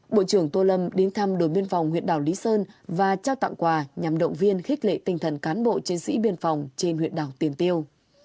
bộ trưởng tô lâm đến thăm đồn biên phòng huyện đảo lý sơn và trao tặng quà nhằm động viên khích lệ tinh thần cán bộ chiến sĩ biên phòng trên huyện đảo tiền tiêu